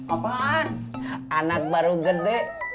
apaan anak baru gede